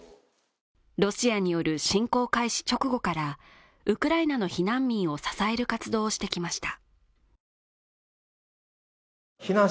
ロシアによる侵攻開始直後からウクライナの避難民を支える活動をしてきました